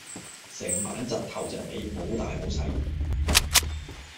成晚窒頭窒尾，冇大冇細